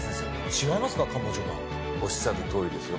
違いますか官房長官おっしゃるとおりですよ